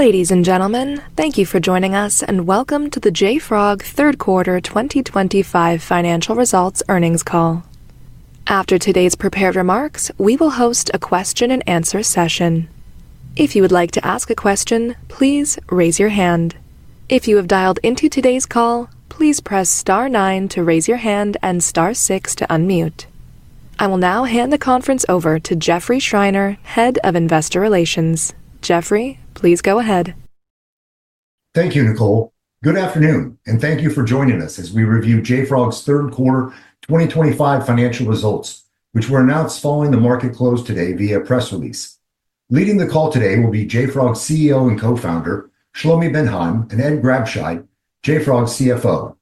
Ladies and gentlemen, thank you for joining us, and welcome to the JFrog Q3 2025 financial results earnings call. After today's prepared remarks, we will host a question-and-answer session. If you would like to ask a question, please raise your hand. If you have dialed into today's call, please press star nine to raise your hand and star six to unmute. I will now hand the conference over to Jeffrey Schreiner, Head of Investor Relations. Jeffrey, please go ahead. Thank you, Nicole. Good afternoon, and thank you for joining us as we review JFrog's Q3 2025 financial results, which were announced following the market close today via press release. Leading the call today will be JFrog's CEO and co-founder, Shlomi Ben Haim, and Ed Grabscheid, JFrog's CFO.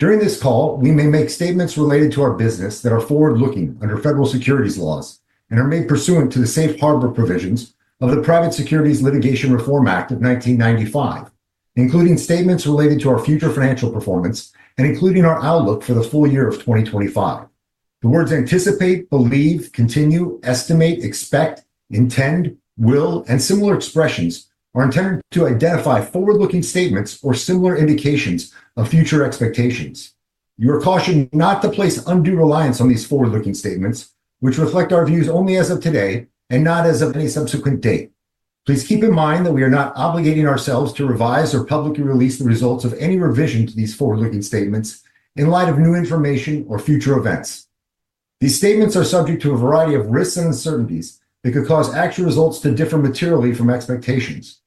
During this call, we may make statements related to our business that are forward-looking under federal securities laws and are made pursuant to the safe harbor provisions of the Private Securities Litigation Reform Act of 1995, including statements related to our future financial performance and including our outlook for the full year of 2025. The words anticipate, believe, continue, estimate, expect, intend, will, and similar expressions are intended to identify forward-looking statements or similar indications of future expectations. You are cautioned not to place undue reliance on these forward-looking statements, which reflect our views only as of today and not as of any subsequent date. Please keep in mind that we are not obligating ourselves to revise or publicly release the results of any revision to these forward-looking statements in light of new information or future events. These statements are subject to a variety of risks and uncertainties that could cause actual results to differ materially from expectations.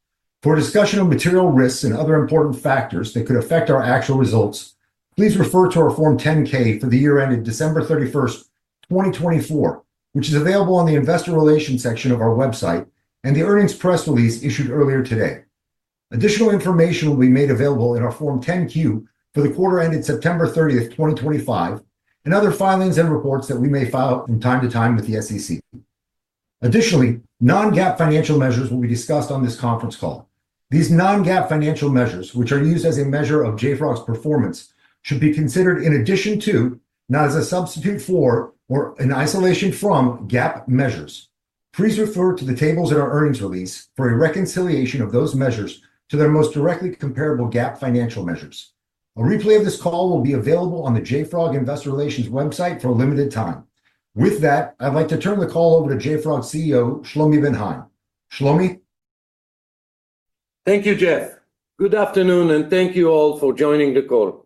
For discussion of material risks and other important factors that could affect our actual results, please refer to our Form 10-K for the year ended December 31st, 2024, which is available on the Investor Relations section of our website and the earnings press release issued earlier today. Additional information will be made available in our Form 10-Q for the quarter ended September 30th, 2025, and other filings and reports that we may file from time to time with the SEC. Additionally, non-GAAP financial measures will be discussed on this conference call. These non-GAAP financial measures, which are used as a measure of JFrog's performance, should be considered in addition to, not as a substitute for, or in isolation from, GAAP measures. Please refer to the tables in our earnings release for a reconciliation of those measures to their most directly comparable GAAP financial measures. A replay of this call will be available on the JFrog Investor Relations website for a limited time. With that, I'd like to turn the call over to JFrog CEO, Shlomi Ben Haim. Shlomi. Thank you, Jeff. Good afternoon, and thank you all for joining the call.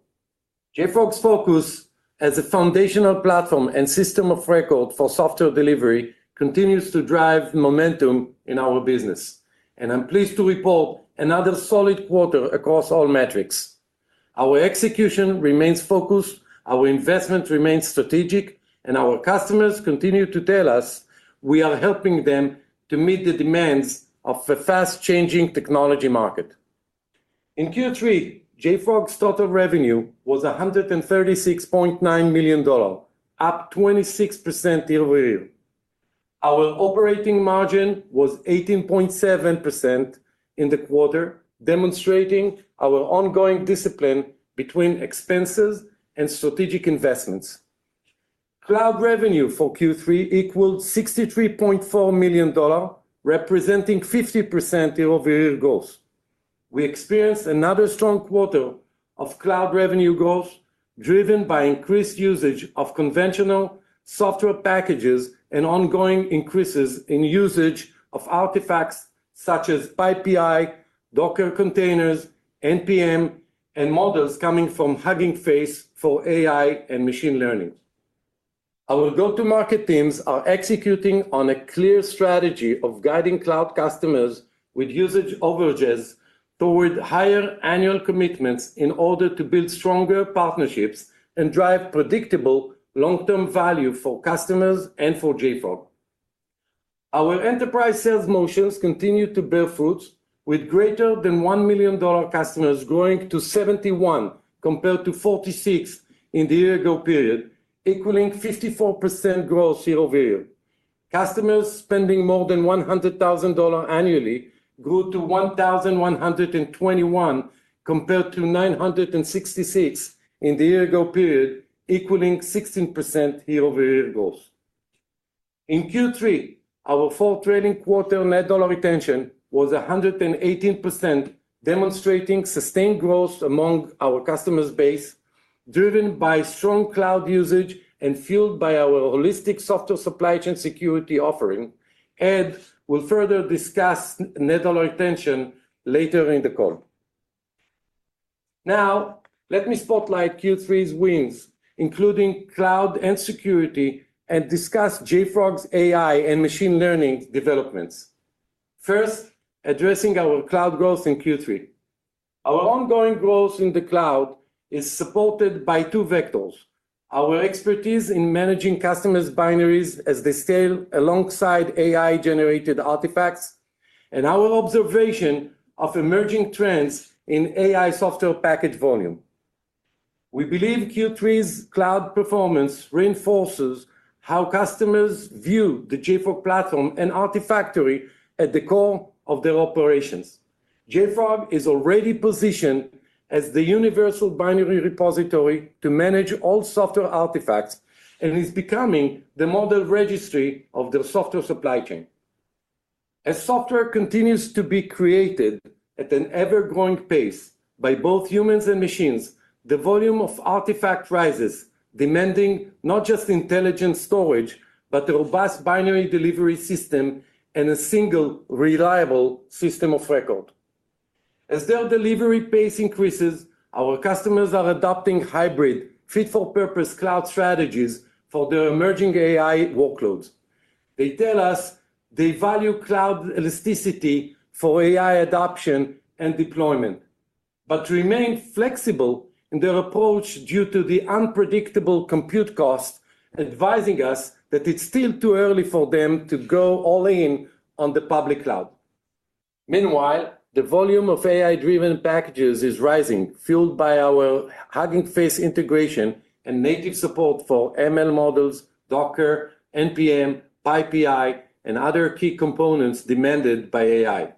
JFrog's focus as a foundational platform and system of record for software delivery continues to drive momentum in our business, and I'm pleased to report another solid quarter across all metrics. Our execution remains focused, our investment remains strategic, and our customers continue to tell us we are helping them to meet the demands of a fast-changing technology market. In Q3, JFrog's total revenue was $136.9 million, up 26% year-over-year. Our operating margin was 18.7% in the quarter, demonstrating our ongoing discipline between expenses and strategic investments. Cloud revenue for Q3 equaled $63.4 million, representing 50% year-over-year growth. We experienced another strong quarter of cloud revenue growth driven by increased usage of conventional software packages and ongoing increases in usage of artifacts such as PyPI, Docker containers, npm, and models coming from Hugging Face for AI and machine learning. Our go-to-market teams are executing on a clear strategy of guiding cloud customers with usage overages toward higher annual commitments in order to build stronger partnerships and drive predictable long-term value for customers and for JFrog. Our enterprise sales motions continue to bear fruits, with greater than $1 million customers growing to 71 compared to 46 in the year-ago period, equaling 54% growth year-over-year. Customers spending more than $100,000 annually grew to 1,121 compared to 966 in the year-ago period, equaling 16% year-over-year growth. In Q3, our full trading quarter net dollar retention was 118%, demonstrating sustained growth among our customers' base, driven by strong cloud usage and fueled by our holistic software supply chain security offering. Ed will further discuss net dollar retention later in the call. Now, let me spotlight Q3's wins, including cloud and security, and discuss JFrog's AI and machine learning developments. First, addressing our cloud growth in Q3. Our ongoing growth in the cloud is supported by two vectors: our expertise in managing customers' binaries as they scale alongside AI-generated artifacts and our observation of emerging trends in AI software package volume. We believe Q3's cloud performance reinforces how customers view the JFrog Platform and Artifactory at the core of their operations. JFrog is already positioned as the universal binary repository to manage all software artifacts and is becoming the model registry of their software supply chain. As software continues to be created at an ever-growing pace by both humans and machines, the volume of artifacts rises, demanding not just intelligent storage, but a robust binary delivery system and a single reliable system of record. As their delivery pace increases, our customers are adopting hybrid, fit-for-purpose cloud strategies for their emerging AI workloads. They tell us they value cloud elasticity for AI adoption and deployment, but remain flexible in their approach due to the unpredictable compute costs, advising us that it's still too early for them to go all in on the public cloud. Meanwhile, the volume of AI-driven packages is rising, fueled by our Hugging Face integration and native support for ML models, Docker, npm, PyPI, and other key components demanded by AI.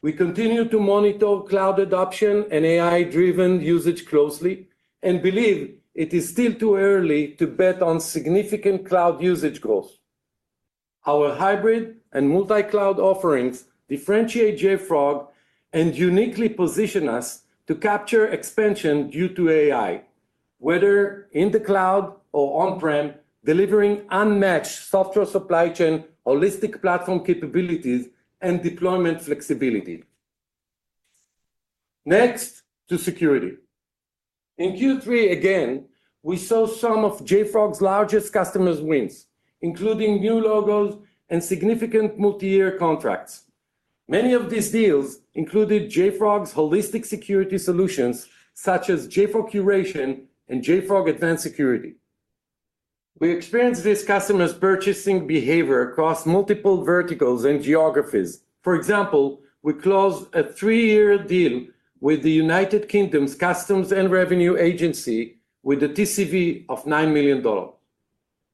We continue to monitor cloud adoption and AI-driven usage closely and believe it is still too early to bet on significant cloud usage growth. Our hybrid and multi-cloud offerings differentiate JFrog and uniquely position us to capture expansion due to AI, whether in the cloud or on-prem, delivering unmatched software supply chain holistic platform capabilities and deployment flexibility. Next, to security. In Q3, again, we saw some of JFrog's largest customers' wins, including new logos and significant multi-year contracts. Many of these deals included JFrog's holistic security solutions such as JFrog Curation and JFrog Advanced Security. We experienced this customer's purchasing behavior across multiple verticals and geographies. For example, we closed a three-year deal with the United Kingdom's Customs and Revenue Agency with a TCV of $9 million.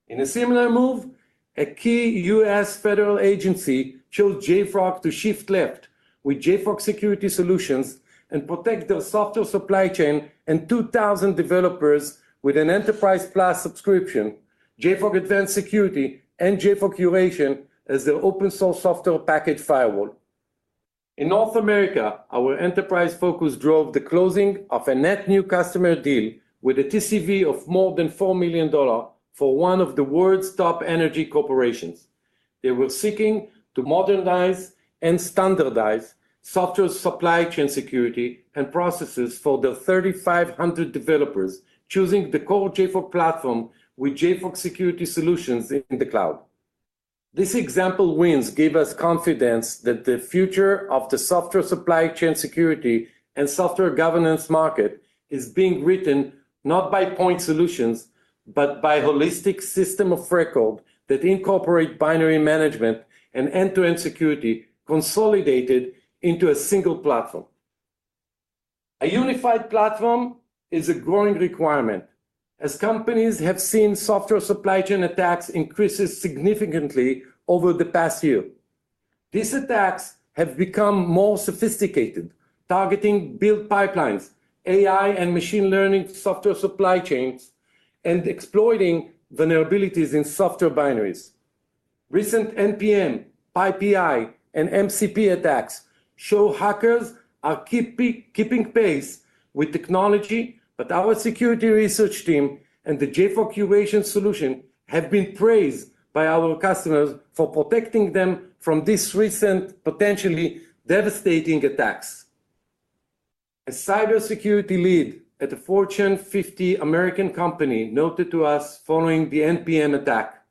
In a similar move, a key U.S. federal agency chose JFrog to shift left with JFrog Security Solutions and protect their software supply chain and 2,000 developers with an Enterprise+ subscription, JFrog Advanced Security, and JFrog Curation as their open-source software package firewall. In North America, our enterprise focus drove the closing of a net new customer deal with a total contract value of more than $4 million for one of the world's top energy corporations. They were seeking to modernize and standardize software supply chain security and processes for their 3,500 developers, choosing the core JFrog Platform with JFrog Security Solutions in the cloud. These example wins gave us confidence that the future of the software supply chain security and software governance market is being written not by point solutions, but by a holistic system of record that incorporates binary management and end-to-end security consolidated into a single platform. A unified platform is a growing requirement, as companies have seen software supply chain attacks increase significantly over the past year. These attacks have become more sophisticated, targeting build pipelines, AI and machine learning software supply chains, and exploiting vulnerabilities in software binaries. Recent npm, PyPI, and MCP attacks show hackers are keeping pace with technology, but our security research team and the JFrog Curation solution have been praised by our customers for protecting them from these recent potentially devastating attacks. A cybersecurity lead at a Fortune 50 American company noted to us following the npm attack,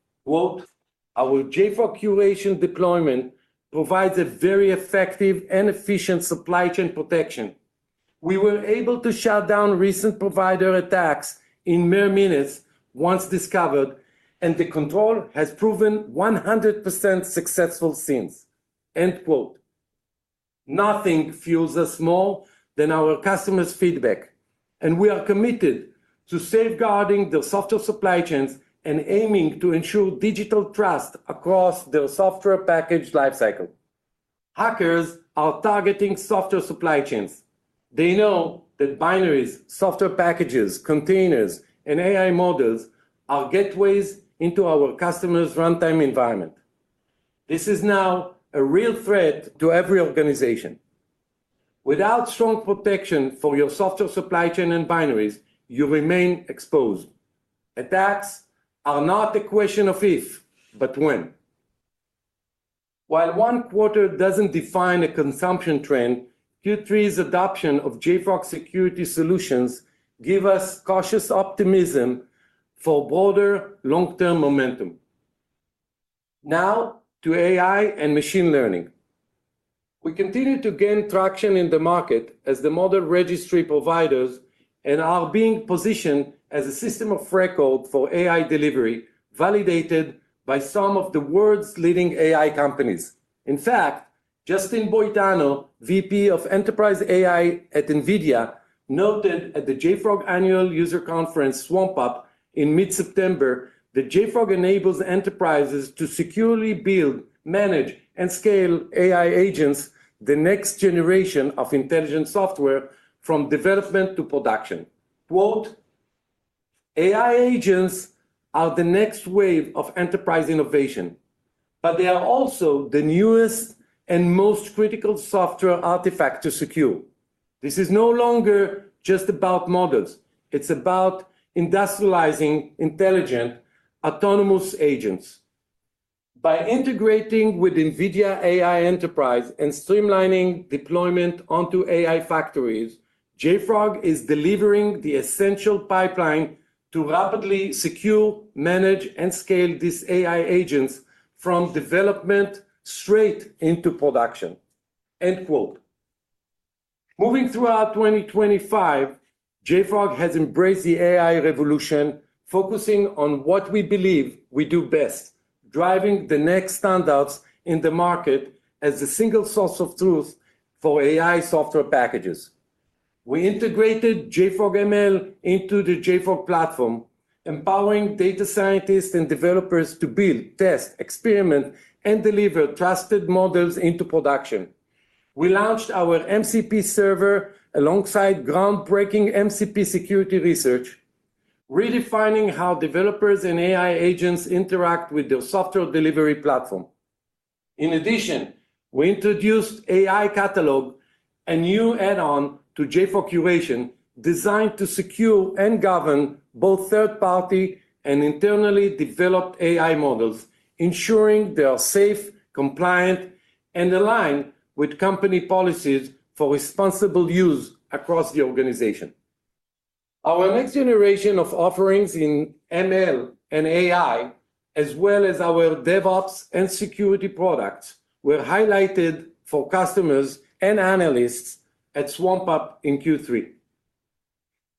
"Our JFrog Curation deployment provides a very effective and efficient supply chain protection. We were able to shut down recent provider attacks in mere minutes once discovered, and the control has proven 100% successful since." End quote. Nothing fuels us more than our customers' feedback, and we are committed to safeguarding their software supply chains and aiming to ensure digital trust across their software package lifecycle. Hackers are targeting software supply chains. They know that binaries, software packages, containers, and AI models are gateways into our customers' runtime environment. This is now a real threat to every organization. Without strong protection for your software supply chain and binaries, you remain exposed. Attacks are not a question of if, but when. While one quarter does not define a consumption trend, Q3's adoption of JFrog Security Solutions gives us cautious optimism for broader long-term momentum. Now to AI and machine learning. We continue to gain traction in the market as the model registry providers are being positioned as a system of record for AI delivery validated by some of the world's leading AI companies. In fact, Justin Boitano, VP of Enterprise AI at NVIDIA, noted at the JFrog Annual User Conference SwampUP in mid-September that JFrog enables enterprises to securely build, manage, and scale AI agents, the next generation of intelligent software from development to production. AI agents are the next wave of enterprise innovation, but they are also the newest and most critical software artifact to secure. This is no longer just about models. It's about industrializing intelligent, autonomous agents. By integrating with NVIDIA AI Enterprise and streamlining deployment onto AI factories, JFrog is delivering the essential pipeline to rapidly secure, manage, and scale these AI agents from development straight into production. End quote. Moving throughout 2025, JFrog has embraced the AI revolution, focusing on what we believe we do best, driving the next standouts in the market as the single source of truth for AI software packages. We integrated JFrog ML into the JFrog Platform, empowering data scientists and developers to build, test, experiment, and deliver trusted models into production. We launched our MCP Server alongside groundbreaking MCP Security Research, redefining how developers and AI agents interact with their software delivery platform. In addition, we introduced AI Catalog, a new add-on to JFrog Curation designed to secure and govern both third-party and internally developed AI models, ensuring they are safe, compliant, and aligned with company policies for responsible use across the organization. Our next generation of offerings in ML and AI, as well as our DevOps and security products, were highlighted for customers and analysts at SwampUP in Q3.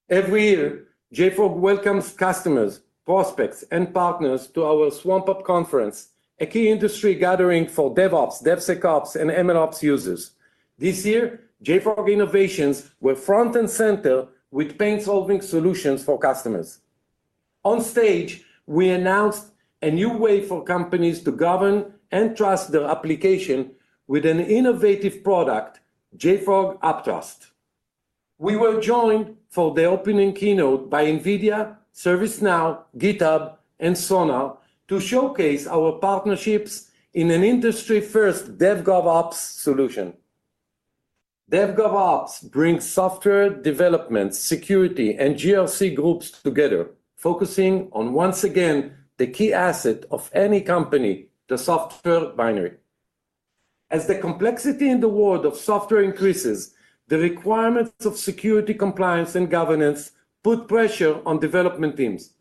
Every year, JFrog welcomes customers, prospects, and partners to our SwampUP conference, a key industry gathering for DevOps, DevSecOps, and MLOps users. This year, JFrog innovations were front and center with pain-solving solutions for customers. On stage, we announced a new way for companies to govern and trust their application with an innovative product, JFrog AppTrust. We were joined for the opening keynote by NVIDIA, ServiceNow, GitHub, and Sonar to showcase our partnerships in an industry-first DevGovOps solution. DevGovOps brings software development, security, and GRC groups together, focusing on, once again, the key asset of any company, the software binary. As the complexity in the world of software increases, the requirements of security compliance and governance put pressure on development teams.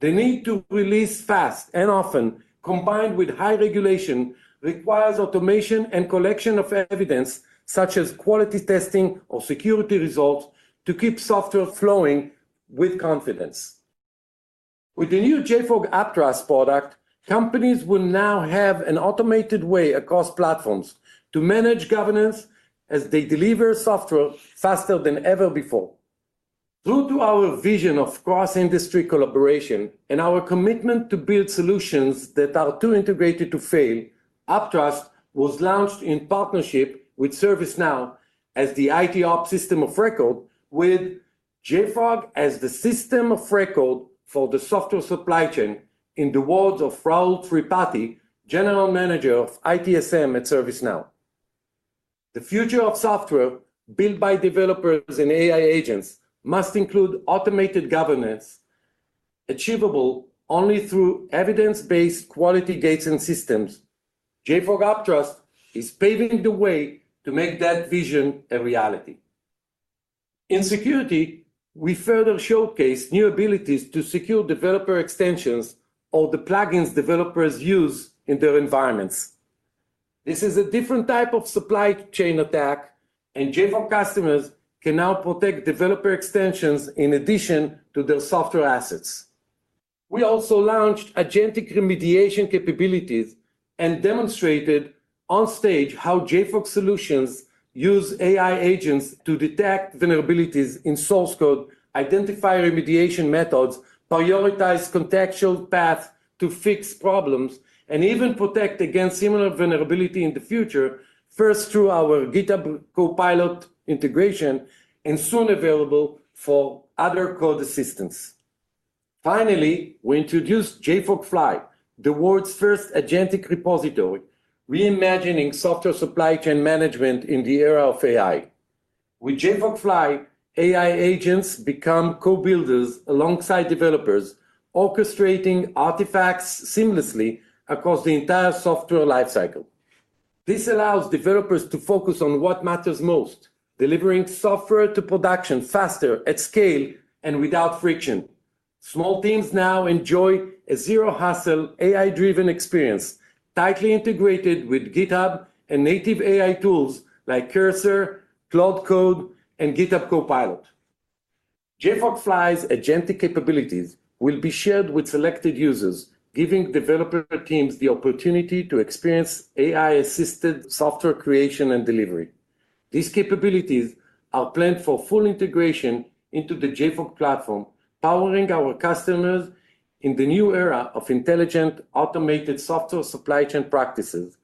The need to release fast and often, combined with high regulation, requires automation and collection of evidence, such as quality testing or security results, to keep software flowing with confidence. With the new JFrog AppTrust product, companies will now have an automated way across platforms to manage governance as they deliver software faster than ever before. True to our vision of cross-industry collaboration and our commitment to build solutions that are too integrated to fail, AppTrust was launched in partnership with ServiceNow as the ITOps system of record, with JFrog as the system of record for the software supply chain in the words of Rahul Tripathi, General Manager of ITSM at ServiceNow. The future of software built by developers and AI agents must include automated governance, achievable only through evidence-based quality gates and systems. JFrog AppTrust is paving the way to make that vision a reality. In security, we further showcase new abilities to secure developer extensions or the plugins developers use in their environments. This is a different type of supply chain attack, and JFrog customers can now protect developer extensions in addition to their software assets. We also launched agentic remediation capabilities and demonstrated on stage how JFrog solutions use AI agents to detect vulnerabilities in source code, identify remediation methods, prioritize contextual paths to fix problems, and even protect against similar vulnerabilities in the future, first through our GitHub Copilot integration and soon available for other code assistants. Finally, we introduced JFrog Fly, the world's first agentic repository, reimagining software supply chain management in the era of AI. With JFrog Fly, AI agents become co-builders alongside developers, orchestrating artifacts seamlessly across the entire software lifecycle. This allows developers to focus on what matters most, delivering software to production faster, at scale, and without friction. Small teams now enjoy a zero-hustle, AI-driven experience tightly integrated with GitHub and native AI tools like Cursor, Cloud Code, and GitHub Copilot. JFrog Fly's agentic capabilities will be shared with selected users, giving developer teams the opportunity to experience AI-assisted software creation and delivery. These capabilities are planned for full integration into the JFrog Platform, powering our customers in the new era of intelligent, automated software supply chain practices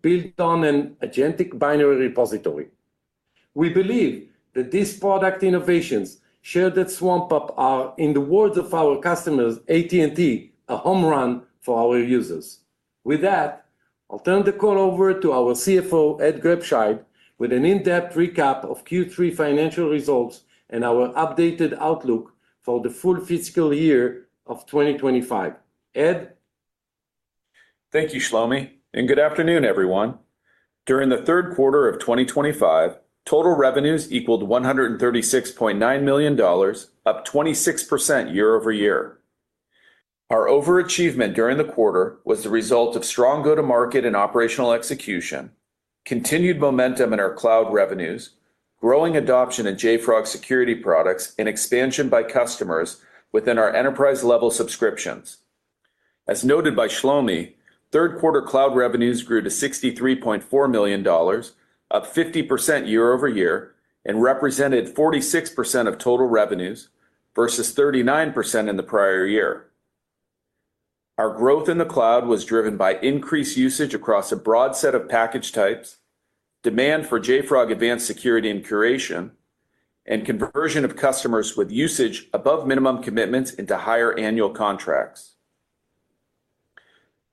built on an agentic binary repository. We believe that these product innovations shared at SwampUP are, in the words of our customers, AT&T, a home run for our users. With that, I'll turn the call over to our CFO, Ed Grabscheid, with an in-depth recap of Q3 financial results and our updated outlook for the full fiscal year of 2025. Ed. Thank you, Shlomi, and good afternoon, everyone. During the third quarter of 2025, total revenues equaled $136.9 million, up 26% year over year. Our overachievement during the quarter was the result of strong go-to-market and operational execution, continued momentum in our cloud revenues, growing adoption of JFrog security products, and expansion by customers within our enterprise-level subscriptions. As noted by Shlomi, third-quarter cloud revenues grew to $63.4 million, up 50% year-over-year, and represented 46% of total revenues versus 39% in the prior year. Our growth in the cloud was driven by increased usage across a broad set of package types, demand for JFrog Advanced Security and Curation, and conversion of customers with usage above minimum commitments into higher annual contracts.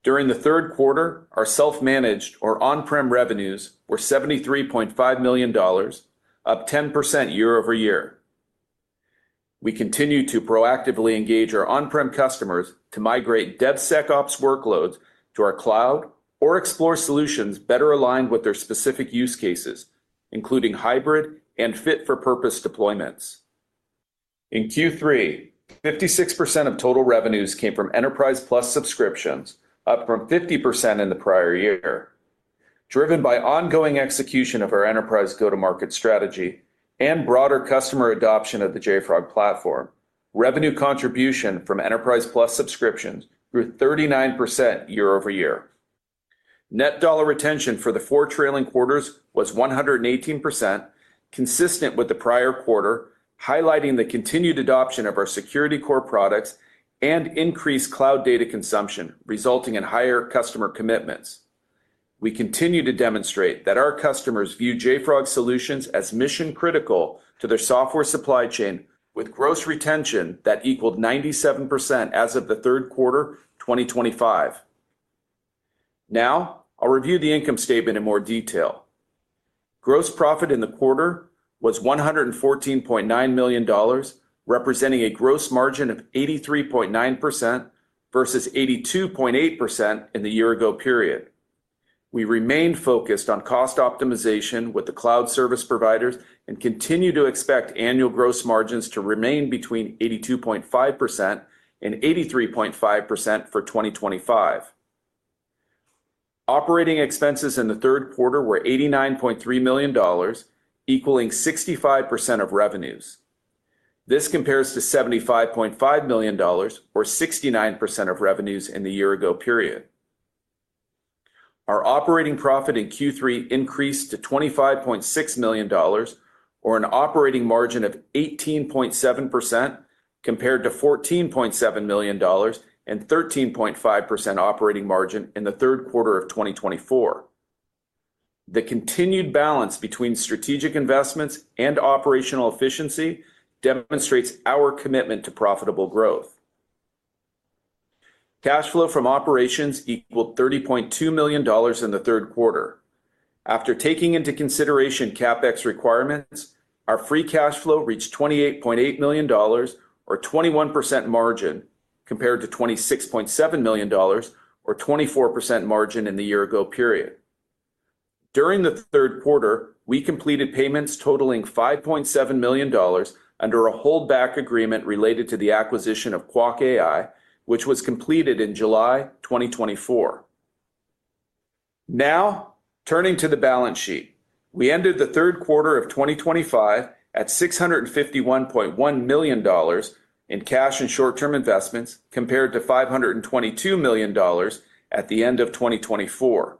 During the third quarter, our self-managed or on-prem revenues were $73.5 million, up 10% year-over-year. We continue to proactively engage our on-prem customers to migrate DevSecOps workloads to our cloud or explore solutions better aligned with their specific use cases, including hybrid and fit-for-purpose deployments. In Q3, 56% of total revenues came from Enterprise+ subscriptions, up from 50% in the prior year. Driven by ongoing execution of our enterprise go-to-market strategy and broader customer adoption of the JFrog platform, revenue contribution from Enterprise+ subscriptions grew 39% year-over-year. Net dollar retention for the four trailing quarters was 118%, consistent with the prior quarter, highlighting the continued adoption of our security core products and increased cloud data consumption, resulting in higher customer commitments. We continue to demonstrate that our customers view JFrog solutions as mission-critical to their software supply chain, with gross retention that equaled 97% as of the third quarter 2025. Now, I'll review the income statement in more detail. Gross profit in the quarter was $114.9 million, representing a gross margin of 83.9% versus 82.8% in the year-ago period. We remained focused on cost optimization with the cloud service providers and continue to expect annual gross margins to remain between 82.5% and 83.5% for 2025. Operating expenses in the third quarter were $89.3 million, equaling 65% of revenues. This compares to $75.5 million, or 69% of revenues in the year-ago period. Our operating profit in Q3 increased to $25.6 million, or an operating margin of 18.7%, compared to $14.7 million and 13.5% operating margin in the third quarter of 2024. The continued balance between strategic investments and operational efficiency demonstrates our commitment to profitable growth. Cash flow from operations equaled $30.2 million in the third quarter. After taking into consideration CapEx requirements, our free cash flow reached $28.8 million, or 21% margin, compared to $26.7 million, or 24% margin in the year-ago period. During the third quarter, we completed payments totaling $5.7 million under a holdback agreement related to the acquisition of Qwak, which was completed in July 2024. Now, turning to the balance sheet, we ended the third quarter of 2025 at $651.1 million in cash and short-term investments, compared to $522 million at the end of 2024.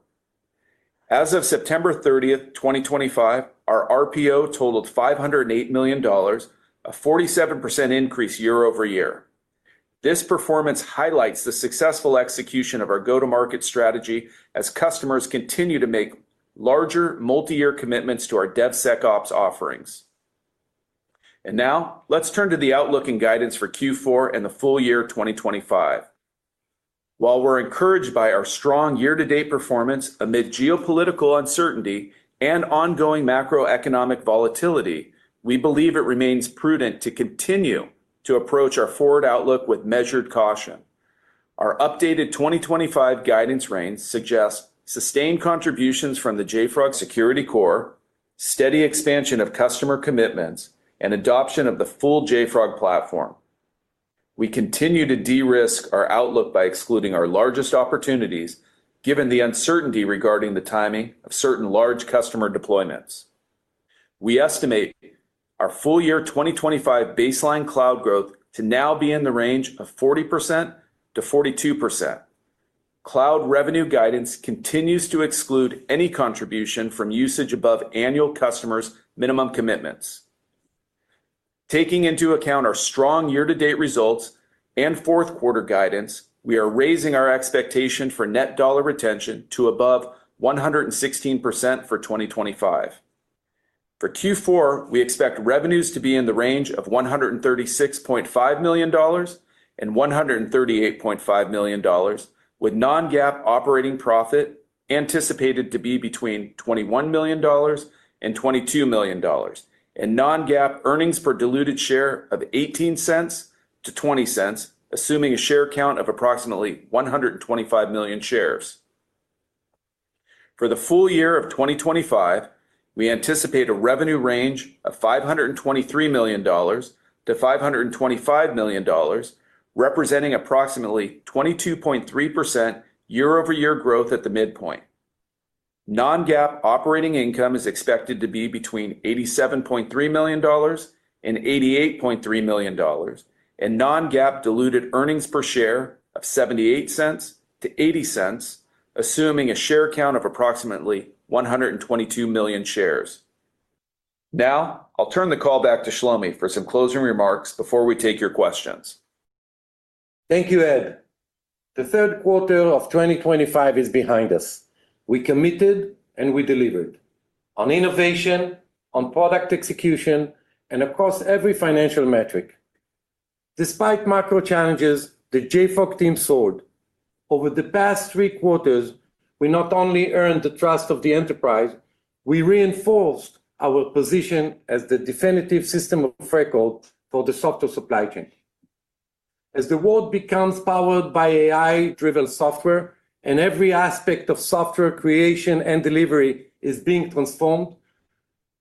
As of September 30th, 2025, our RPO totaled $508 million, a 47% increase year over year. This performance highlights the successful execution of our go-to-market strategy as customers continue to make larger, multi-year commitments to our DevSecOps offerings. Now, let's turn to the outlook and guidance for Q4 and the full year 2025. While we're encouraged by our strong year-to-date performance amid geopolitical uncertainty and ongoing macroeconomic volatility, we believe it remains prudent to continue to approach our forward outlook with measured caution. Our updated 2025 guidance reigns suggest sustained contributions from the JFrog Security Corps, steady expansion of customer commitments, and adoption of the full JFrog Platform. We continue to de-risk our outlook by excluding our largest opportunities, given the uncertainty regarding the timing of certain large customer deployments. We estimate our full year 2025 baseline cloud growth to now be in the range of 40%-42%. Cloud revenue guidance continues to exclude any contribution from usage above annual customers' minimum commitments. Taking into account our strong year-to-date results and fourth-quarter guidance, we are raising our expectation for net dollar retention to above 116% for 2025. For Q4, we expect revenues to be in the range of $136.5 million-$138.5 million, with non-GAAP operating profit anticipated to be between $21 million and $22 million, and non-GAAP earnings per diluted share of $0.18-$0.20, assuming a share count of approximately 125 million shares. For the full year of 2025, we anticipate a revenue range of $523 million-$525 million, representing approximately 22.3% year-over-year growth at the midpoint. Non-GAAP operating income is expected to be between $87.3 million and $88.3 million, and non-GAAP diluted earnings per share of $0.78-$0.80, assuming a share count of approximately 122 million shares. Now, I'll turn the call back to Shlomi for some closing remarks before we take your questions. Thank you, Ed. The third quarter of 2025 is behind us. We committed and we delivered on innovation, on product execution, and across every financial metric. Despite macro challenges, the JFrog team soared. Over the past three quarters, we not only earned the trust of the enterprise, we reinforced our position as the definitive system of record for the software supply chain. As the world becomes powered by AI-driven software and every aspect of software creation and delivery is being transformed,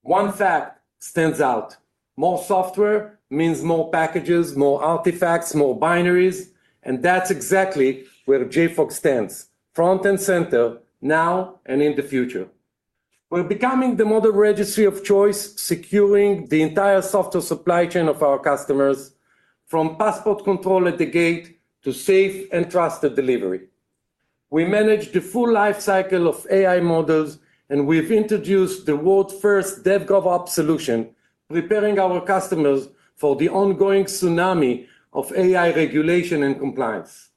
one fact stands out: more software means more packages, more artifacts, more binaries. That is exactly where JFrog stands, front and center now and in the future. We're becoming the model registry of choice, securing the entire software supply chain of our customers, from passport control at the gate to safe and trusted delivery. We manage the full lifecycle of AI models, and we've introduced the world's first DevGovOps solution, preparing our customers for the ongoing tsunami of AI regulation and compliance.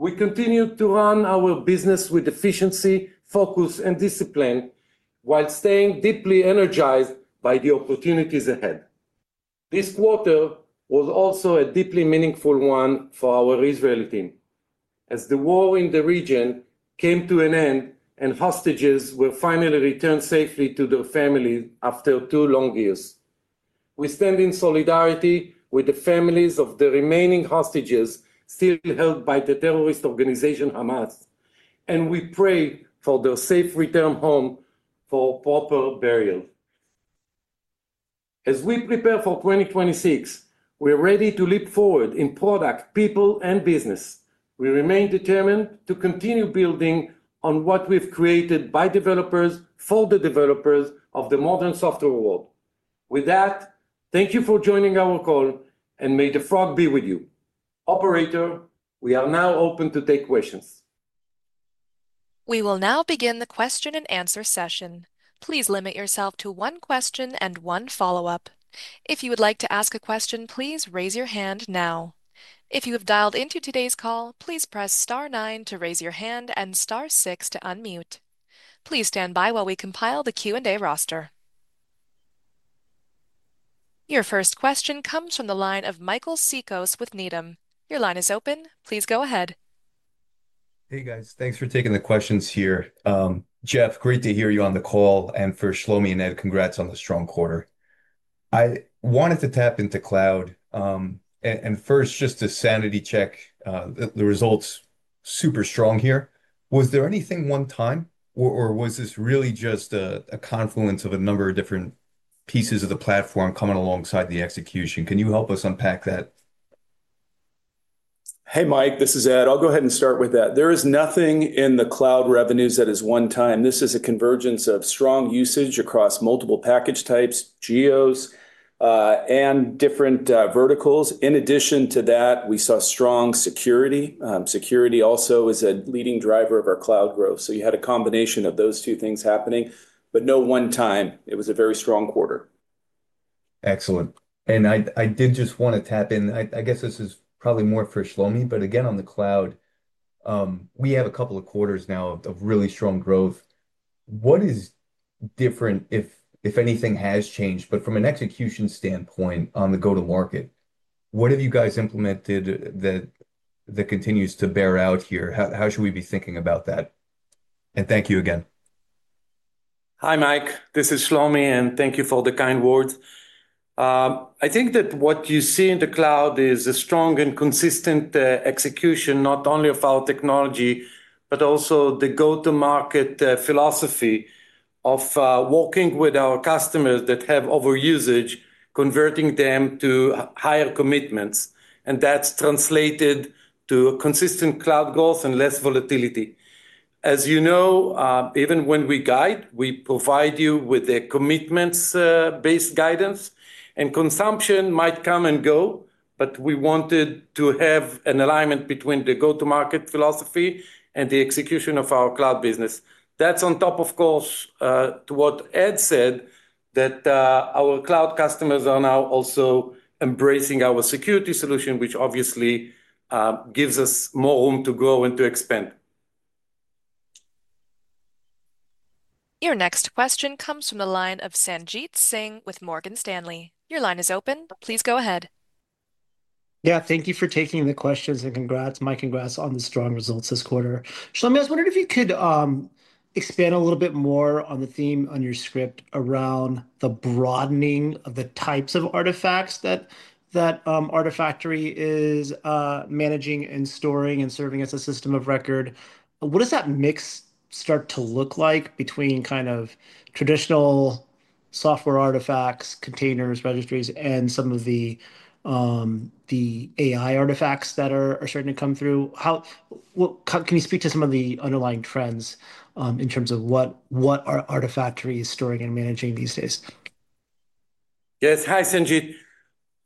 We continue to run our business with efficiency, focus, and discipline while staying deeply energized by the opportunities ahead. This quarter was also a deeply meaningful one for our Israeli team. As the war in the region came to an end and hostages were finally returned safely to their families after two long years, we stand in solidarity with the families of the remaining hostages still held by the terrorist organization Hamas, and we pray for their safe return home for proper burial. As we prepare for 2026, we're ready to leap forward in product, people, and business. We remain determined to continue building on what we've created by developers for the developers of the modern software world. With that, thank you for joining our call, and may the Frog be with you. Operator, we are now open to take questions. We will now begin the question and answer session. Please limit yourself to one question and one follow-up. If you would like to ask a question, please raise your hand now. If you have dialed into today's call, please press star nine to raise your hand and star six to unmute. Please stand by while we compile the Q&A roster. Your first question comes from the line of Michael Cikos with Needham. Your line is open. Please go ahead. Hey, guys. Thanks for taking the questions here. Jeff, great to hear you on the call. And for Shlomi and Ed, congrats on the strong quarter. I wanted to tap into cloud. And first, just a sanity check, the results are super strong here. Was there anything one-time or was this really just a confluence of a number of different pieces of the platform coming alongside the execution? Can you help us unpack that? Hey, Mike, this is Ed. I'll go ahead and start with that. There is nothing in the cloud revenues that is one-time. This is a convergence of strong usage across multiple package types, geos, and different verticals. In addition to that, we saw strong security. Security also is a leading driver of our cloud growth. You had a combination of those two things happening, but no one-time. It was a very strong quarter. Excellent. I did just want to tap in. I guess this is probably more for Shlomi, but again, on the cloud. We have a couple of quarters now of really strong growth. What is different, if anything has changed, but from an execution standpoint on the go-to-market? What have you guys implemented that continues to bear out here? How should we be thinking about that? Thank you again. Hi, Mike. This is Shlomi, and thank you for the kind words. I think that what you see in the cloud is a strong and consistent execution, not only of our technology, but also the go-to-market philosophy of working with our customers that have overusage, converting them to higher commitments. That is translated to consistent cloud growth and less volatility. As you know, even when we guide, we provide you with a commitments-based guidance, and consumption might come and go, but we wanted to have an alignment between the go-to-market philosophy and the execution of our cloud business. That is on top, of course, to what Ed said, that our cloud customers are now also embracing our security solution, which obviously gives us more room to grow and to expand. Your next question comes from the line of Sanjit Singh with Morgan Stanley. Your line is open. Please go ahead. Yeah, thank you for taking the questions, and congrats, Mike. Congrats on the strong results this quarter. Shlomi, I was wondering if you could expand a little bit more on the theme on your script around the broadening of the types of artifacts that Artifactory is managing and storing and serving as a system of record. What does that mix start to look like between kind of traditional software artifacts, containers, registries, and some of the AI artifacts that are starting to come through? Can you speak to some of the underlying trends in terms of what Artifactory is storing and managing these days? Yes. Hi, Sanjit.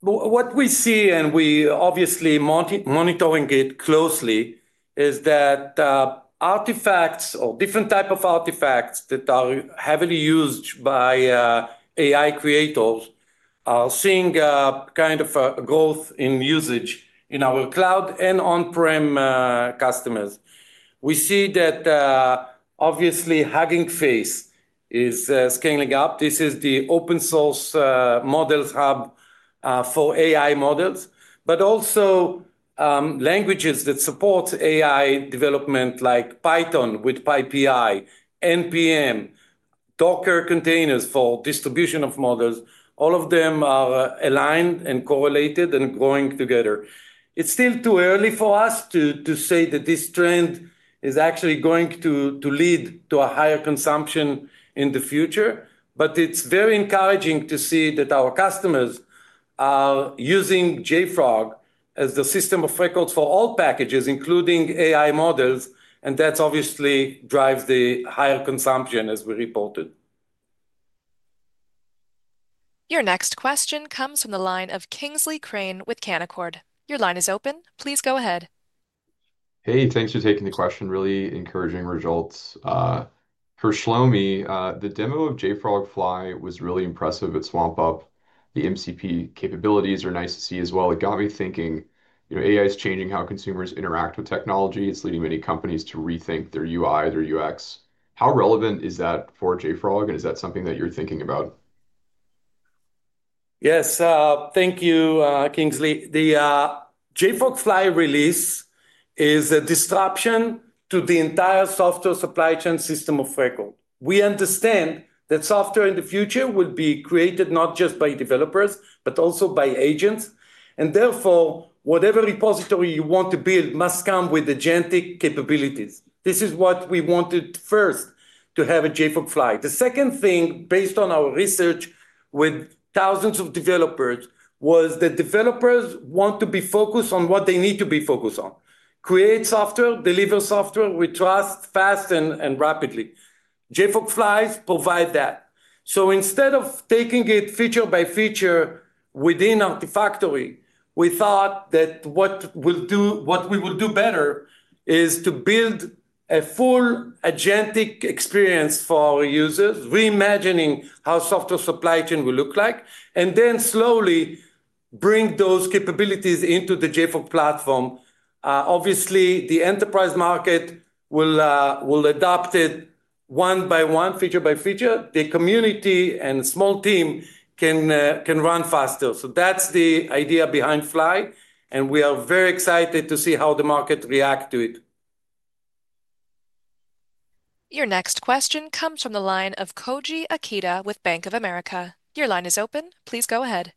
What we see, and we obviously are monitoring it closely, is that artifacts or different types of artifacts that are heavily used by AI creators are seeing kind of a growth in usage in our cloud and on-prem customers. We see that. Obviously, Hugging Face is scaling up. This is the open-source models hub for AI models, but also languages that support AI development like Python with PyPI, npm, Docker containers for distribution of models. All of them are aligned and correlated and growing together. It's still too early for us to say that this trend is actually going to lead to a higher consumption in the future, but it's very encouraging to see that our customers are using JFrog as the system of records for all packages, including AI models, and that obviously drives the higher consumption, as we reported. Your next question comes from the line of Kingsley Crane with Canaccord. Your line is open. Please go ahead. Hey, thanks for taking the question. Really encouraging results. For Shlomi, the demo of JFrog Fly was really impressive at SwampUP. The MCP capabilities are nice to see as well. It got me thinking. AI is changing how consumers interact with technology. It's leading many companies to rethink their UI, their UX. How relevant is that for JFrog, and is that something that you're thinking about? Yes, thank you, Kingsley. The JFrog Fly release is a disruption to the entire software supply chain system of record. We understand that software in the future will be created not just by developers, but also by agents. Therefore, whatever repository you want to build must come with agentic capabilities. This is what we wanted first to have at JFrog Fly. The second thing, based on our research with thousands of developers, was that developers want to be focused on what they need to be focused on: create software, deliver software with trust, fast and rapidly. JFrog Fly provides that. Instead of taking it feature by feature within Artifactory, we thought that what we will do better is to build a full agentic experience for our users, reimagining how software supply chain will look like, and then slowly bring those capabilities into the JFrog Platform. Obviously, the enterprise market will adopt it one by one, feature by feature. The community and small team can run faster. That is the idea behind Fly, and we are very excited to see how the market reacts to it. Your next question comes from the line of Koji Ikeda with Bank of America. Your line is open. Please go ahead.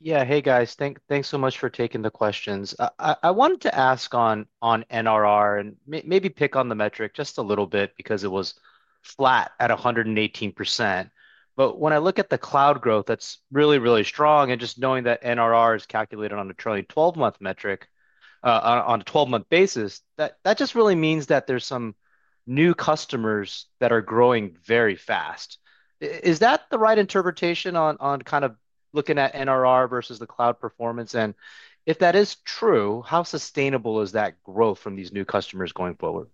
Yeah, hey, guys. Thanks so much for taking the questions. I wanted to ask on NRR and maybe pick on the metric just a little bit because it was flat at 118%. When I look at the cloud growth, that's really, really strong. Just knowing that NRR is calculated on a trailing 12-month metric, on a 12-month basis, that just really means that there are some new customers that are growing very fast. Is that the right interpretation on kind of looking at NRR versus the cloud performance? If that is true, how sustainable is that growth from these new customers going forward?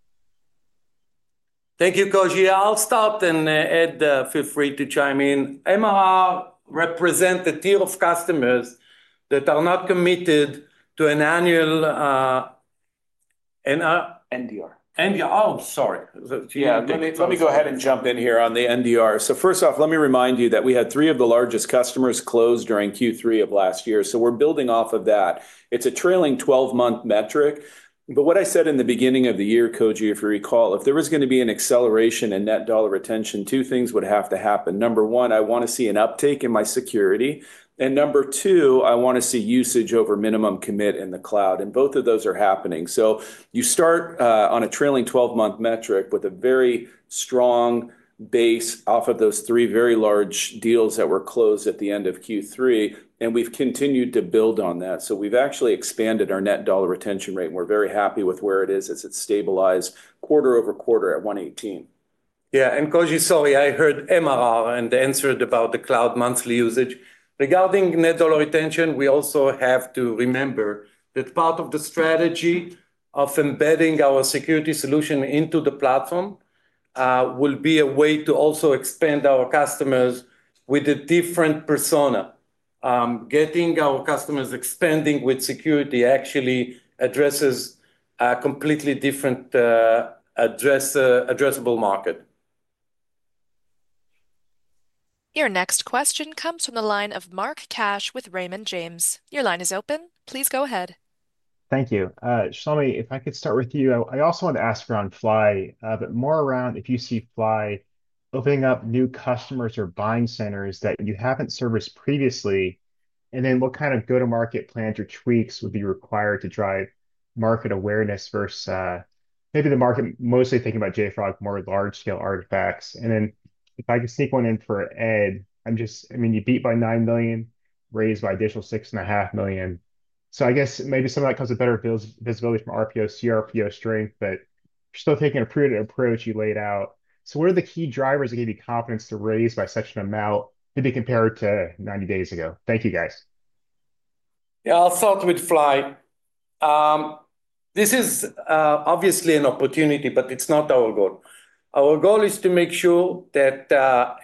Thank you, Koji. I'll stop, and Ed, feel free to chime in. MRR represents a tier of customers that are not committed to an annual. NDR. NDR. Oh, sorry. Let me go ahead and jump in here on the NDR. First off, let me remind you that we had three of the largest customers close during Q3 of last year. We're building off of that. It's a trailing 12-month metric. What I said in the beginning of the year, Koji, if you recall, if there was going to be an acceleration in net dollar retention, two things would have to happen. Number one, I want to see an uptake in my security. Number two, I want to see usage over minimum commit in the cloud. Both of those are happening. You start on a trailing 12-month metric with a very strong base off of those three very large deals that were closed at the end of Q3, and we've continued to build on that. We've actually expanded our net dollar retention rate, and we're very happy with where it is as it's stabilized quarter over quarter at 118%. Yeah, and Koji, sorry, I heard MRR and answered about the cloud monthly usage. Regarding net dollar retention, we also have to remember that part of the strategy of embedding our security solution into the platform will be a way to also expand our customers with a different persona. Getting our customers expanding with security actually addresses a completely different addressable market. Your next question comes from the line of Mark Cash with Raymond James. Your line is open. Please go ahead. Thank you. Shlomi, if I could start with you, I also want to ask around Fly, but more around if you see Fly opening up new customers or buying centers that you have not serviced previously, and then what kind of go-to-market plans or tweaks would be required to drive market awareness versus maybe the market mostly thinking about JFrog more large-scale artifacts. And then if I could sneak one in for Ed, I mean, you beat by $9 million, raised by additional $6.5 million. I guess maybe some of that comes with better visibility from RPO, CRPO strength, but you're still taking a prudent approach you laid out. What are the key drivers that give you confidence to raise by such an amount to be compared to 90 days ago? Thank you, guys. Yeah, I'll start with Fly. This is obviously an opportunity, but it's not our goal. Our goal is to make sure that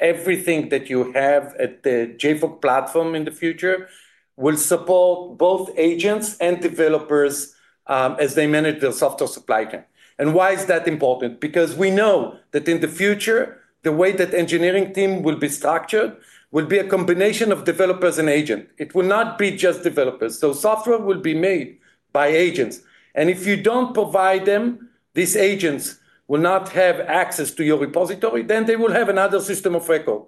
everything that you have at the JFrog Platform in the future will support both agents and developers as they manage their software supply chain. Why is that important? Because we know that in the future, the way that the engineering team will be structured will be a combination of developers and agents. It will not be just developers. Software will be made by agents. If you do not provide them, these agents will not have access to your repository, then they will have another system of record.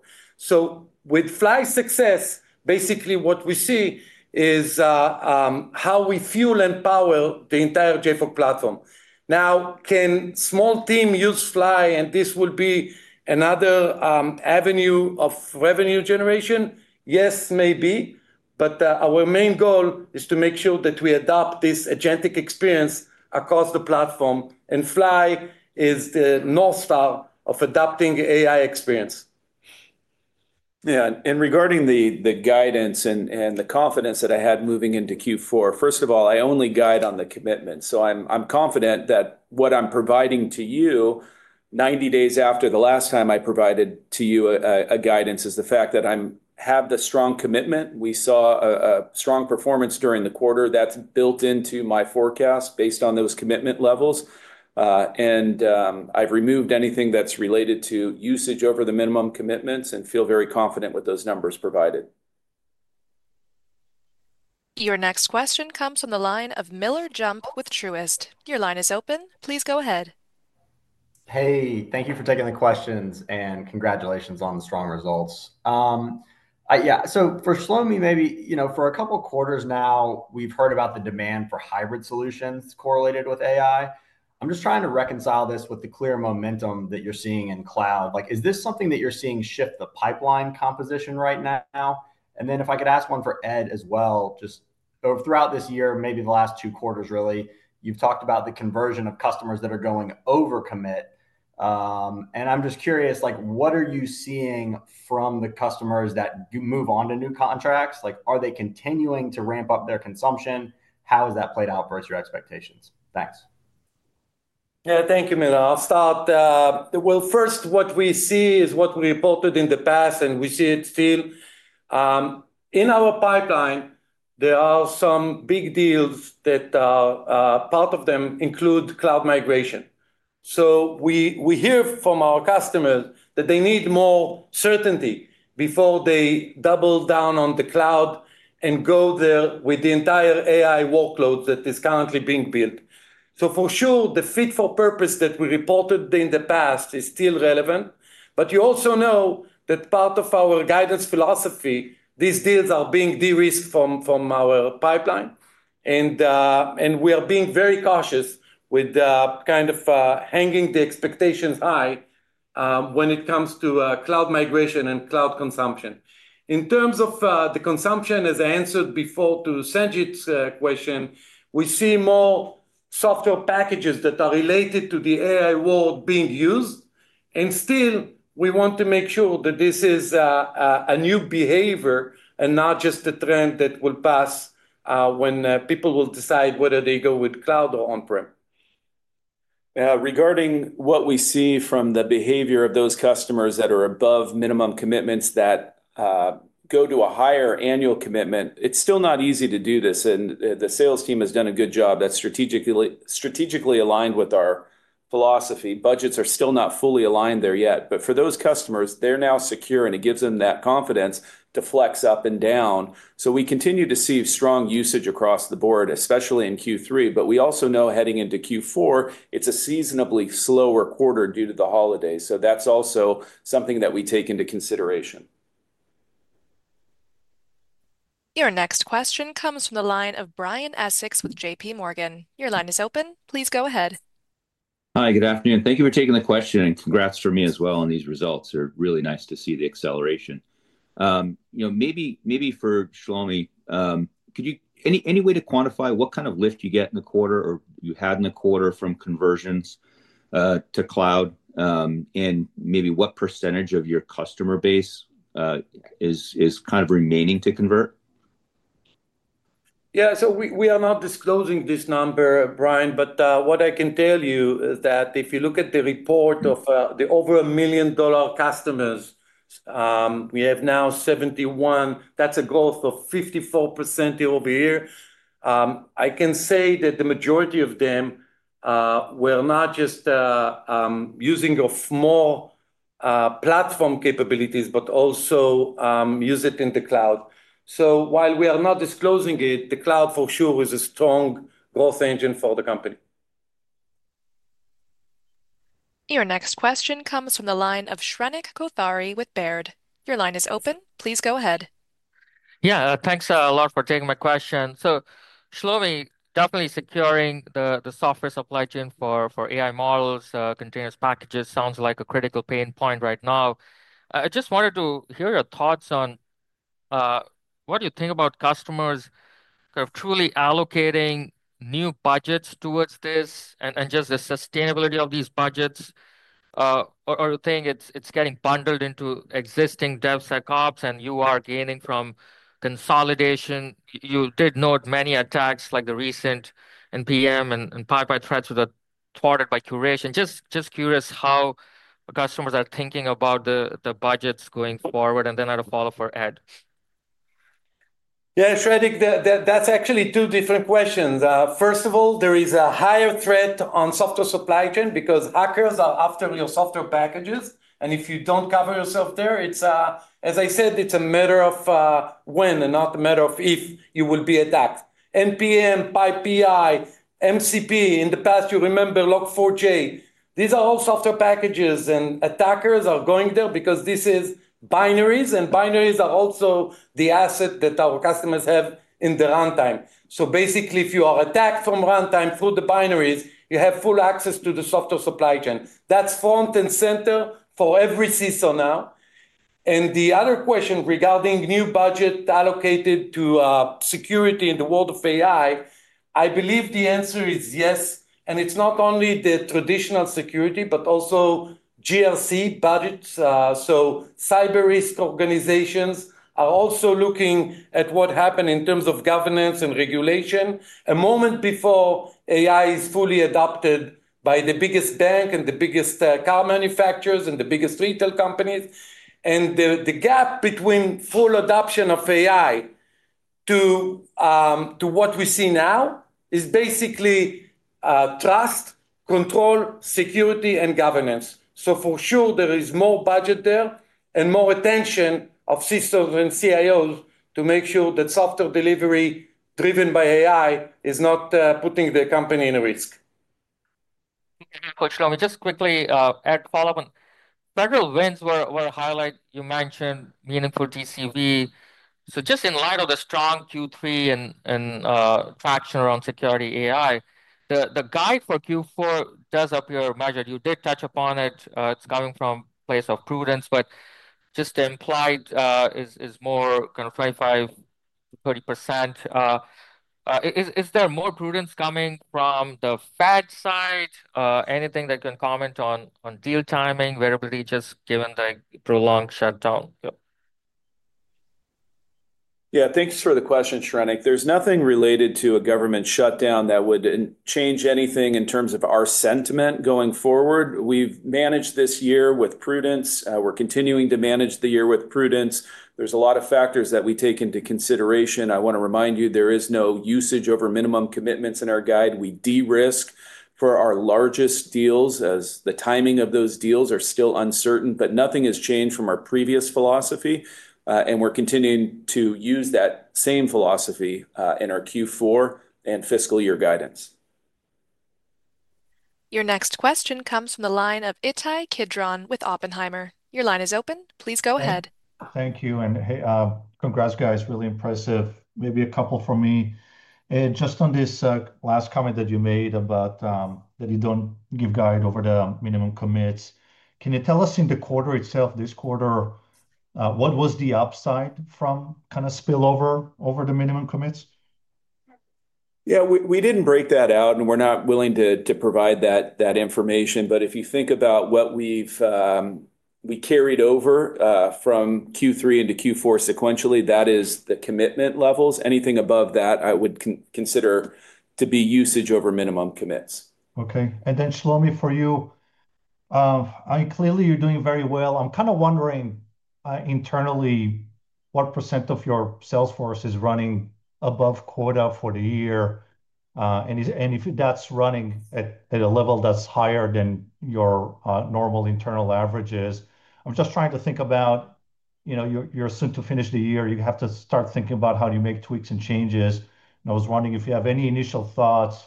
With Fly's success, basically what we see is how we fuel and power the entire JFrog Platform. Now, can a small team use Fly, and this will be another avenue of revenue generation? Yes, maybe. Our main goal is to make sure that we adopt this agentic experience across the platform. Fly is the North Star of adopting the AI experience. Yeah, and regarding the guidance and the confidence that I had moving into Q4, first of all, I only guide on the commitment. I am confident that what I am providing to you. Ninety days after the last time I provided to you guidance, is the fact that I have the strong commitment. We saw a strong performance during the quarter. That is built into my forecast based on those commitment levels. I have removed anything that is related to usage over the minimum commitments and feel very confident with those numbers provided. Your next question comes from the line of Miller Jump with Truist. Your line is open. Please go ahead. Hey, thank you for taking the questions and congratulations on the strong results. Yeah, so for Shlomi, maybe for a couple of quarters now, we have heard about the demand for hybrid solutions correlated with AI. I am just trying to reconcile this with the clear momentum that you are seeing in cloud. Is this something that you are seeing shift the pipeline composition right now? And then if I could ask one for Ed as well, just throughout this year, maybe the last two quarters, really, you've talked about the conversion of customers that are going over commit. I'm just curious, what are you seeing from the customers that move on to new contracts? Are they continuing to ramp up their consumption? How has that played out towards your expectations? Thanks. Yeah, thank you, Miller. I'll start. First, what we see is what we reported in the past, and we see it still. In our pipeline, there are some big deals that, part of them include cloud migration. We hear from our customers that they need more certainty before they double down on the cloud and go there with the entire AI workload that is currently being built. For sure, the fit for purpose that we reported in the past is still relevant. You also know that part of our guidance philosophy, these deals are being de-risked from our pipeline. We are being very cautious with kind of hanging the expectations high. When it comes to cloud migration and cloud consumption, in terms of the consumption, as I answered before to Sanjit’s question, we see more software packages that are related to the AI world being used. Still, we want to make sure that this is a new behavior and not just a trend that will pass. When people will decide whether they go with cloud or on-prem. Regarding what we see from the behavior of those customers that are above minimum commitments that go to a higher annual commitment, it is still not easy to do this. The sales team has done a good job. That is strategically aligned with our philosophy. Budgets are still not fully aligned there yet. For those customers, they are now secure, and it gives them that confidence to flex up and down. We continue to see strong usage across the board, especially in Q3. We also know heading into Q4, it is a seasonably slower quarter due to the holidays. That is also something that we take into consideration. Your next question comes from the line of Brian Essex with JPMorgan. Your line is open. Please go ahead. Hi, good afternoon. Thank you for taking the question. Congrats from me as well. These results are really nice to see, the acceleration. Maybe for Shlomi, could you, any way to quantify what kind of lift you get in the quarter or you had in the quarter from conversions. To cloud. Maybe what percentage of your customer base is kind of remaining to convert? Yeah, we are not disclosing this number, Brian, but what I can tell you is that if you look at the report of the over $1 million customers, we have now 71. That's a growth of 54% over here. I can say that the majority of them were not just using more platform capabilities, but also used it in the cloud. While we are not disclosing it, the cloud for sure is a strong growth engine for the company. Your next question comes from the line of Shrenik Kothari with Baird. Your line is open. Please go ahead. Yeah, thanks a lot for taking my question. Shlomi, definitely securing the software supply chain for AI models, continuous packages, sounds like a critical pain point right now. I just wanted to hear your thoughts on. What do you think about customers kind of truly allocating new budgets towards this and just the sustainability of these budgets? Or you're saying it's getting bundled into existing DevSecOps and you are gaining from consolidation. You did note many attacks like the recent npm and PyPI threats that are thwarted by curation. Just curious how. Customers are thinking about the budgets going forward. And then I'll follow for Ed. Yeah, Shrenik, that's actually two different questions. First of all, there is a higher threat on software supply chain because hackers are after your software packages. And if you don't cover yourself there, as I said, it's a matter of when and not a matter of if you will be attacked. npm, PyPI, MCP, in the past, you remember Log4j, these are all software packages, and attackers are going there because this is binaries, and binaries are also the asset that our customers have in the runtime. Basically, if you are attacked from runtime through the binaries, you have full access to the software supply chain. That is front and center for every CISO now. The other question regarding new budget allocated to security in the world of AI, I believe the answer is yes. It is not only the traditional security, but also GRC budgets. Cyber risk organizations are also looking at what happened in terms of governance and regulation a moment before AI is fully adopted by the biggest bank and the biggest car manufacturers and the biggest retail companies. The gap between full adoption of AI to what we see now is basically. Trust, control, security, and governance. For sure, there is more budget there and more attention of CISOs and CIOs to make sure that software delivery driven by AI is not putting the company in risk. Okay, Shlomi, just quickly, a follow-up on federal wins were highlighted. You mentioned meaningful GCV. Just in light of the strong Q3 and traction around security AI, the guide for Q4 does appear measured. You did touch upon it. It's coming from a place of prudence, but just implied is more kind of 25%-30%. Is there more prudence coming from the Fed side? Anything that you can comment on deal timing, variability, just given the prolonged shutdown? Yeah, thanks for the question, Shrenik. There's nothing related to a government shutdown that would change anything in terms of our sentiment going forward. We've managed this year with prudence. We're continuing to manage the year with prudence. There's a lot of factors that we take into consideration. I want to remind you, there is no usage over minimum commitments in our guide. We de-risk for our largest deals as the timing of those deals is still uncertain, but nothing has changed from our previous philosophy. We're continuing to use that same philosophy in our Q4 and fiscal year guidance. Your next question comes from the line of Ittai Kidron with Oppenheimer. Your line is open. Please go ahead. Thank you. Hey, congrats, guys. Really impressive. Maybe a couple for me. Ed, just on this last comment that you made about that you don't give guide over the minimum commits, can you tell us in the quarter itself, this quarter, what was the upside from kind of spillover over the minimum commits? Yeah, we did not break that out, and we are not willing to provide that information. If you think about what we have carried over from Q3 into Q4 sequentially, that is the commitment levels. Anything above that, I would consider to be usage over minimum commits. Okay. Shlomi, for you, clearly you are doing very well. I am kind of wondering, internally, what % of your sales force is running above quota for the year, and if that is running at a level that is higher than your normal internal averages. I am just trying to think about, you are soon to finish the year, you have to start thinking about how do you make tweaks and changes. I was wondering if you have any initial thoughts,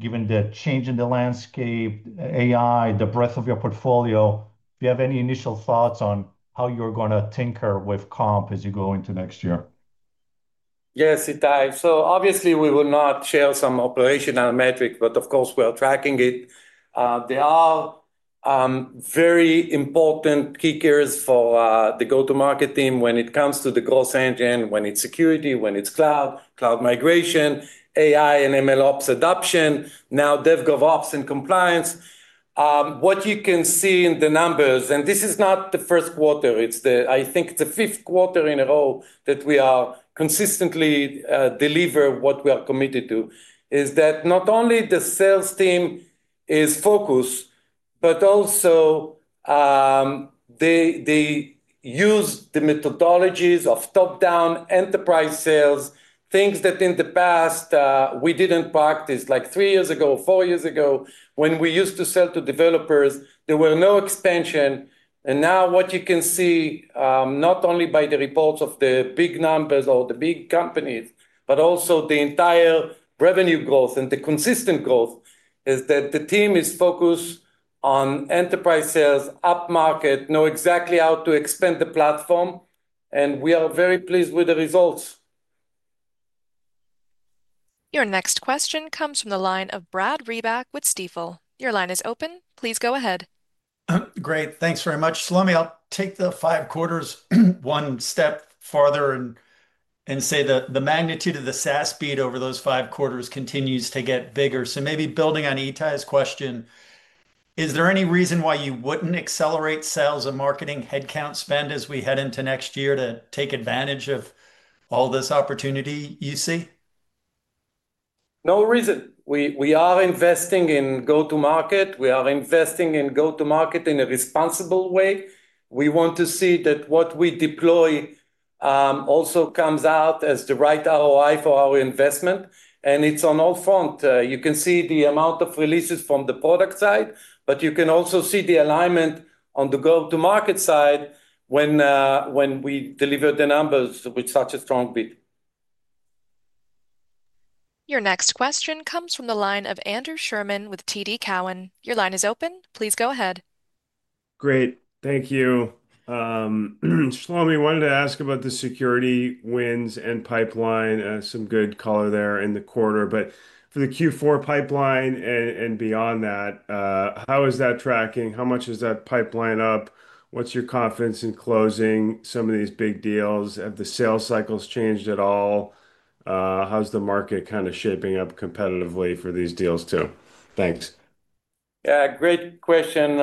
given the change in the landscape, AI, the breadth of your portfolio, if you have any initial thoughts on how you're going to tinker with comp as you go into next year. Yes, Ittai. Obviously, we will not share some operational metrics, but of course, we're tracking it. There are very important kickers for the go-to-market team when it comes to the growth engine, when it's security, when it's cloud, cloud migration, AI and MLOps adoption, now DevGovOps and compliance. What you can see in the numbers, and this is not the first quarter, I think it's the fifth quarter in a row that we are consistently delivering what we are committed to, is that not only the sales team is focused, but also. They use the methodologies of top-down enterprise sales, things that in the past we did not practice like three years ago or four years ago when we used to sell to developers. There were no expansion. Now what you can see, not only by the reports of the big numbers or the big companies, but also the entire revenue growth and the consistent growth, is that the team is focused on enterprise sales, upmarket, know exactly how to expand the platform. We are very pleased with the results. Your next question comes from the line of Brad Reback with Stifel. Your line is open. Please go ahead. Great. Thanks very much. Shlomi, I will take the five quarters one step farther and say the magnitude of the SaaS beat over those five quarters continues to get bigger. Maybe building on Itai's question, is there any reason why you wouldn't accelerate sales and marketing headcount spend as we head into next year to take advantage of all this opportunity you see? No reason. We are investing in go-to-market. We are investing in go-to-market in a responsible way. We want to see that what we deploy also comes out as the right ROI for our investment. And it's on all fronts. You can see the amount of releases from the product side, but you can also see the alignment on the go-to-market side when we delivered the numbers with such a strong beat. Your next question comes from the line of Andrew Sherman with TD Cowen. Your line is open. Please go ahead. Great. Thank you. Shlomi, I wanted to ask about the security wins and pipeline. Some good color there in the quarter. For the Q4 pipeline and beyond that, how is that tracking? How much is that pipeline up? What's your confidence in closing some of these big deals? Have the sales cycles changed at all? How's the market kind of shaping up competitively for these deals too? Thanks. Yeah, great question.